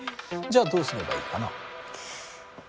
じゃあどうすればいいかな？